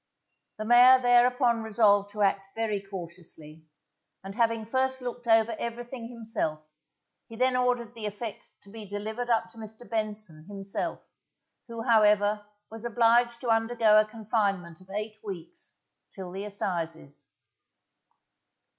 The mayor thereupon resolved to act very cautiously, and having first looked over everything himself, he then ordered the effects to be delivered up to Mr. Benson, himself, who, however, was obliged to undergo a confinement of eight weeks, till the assizes.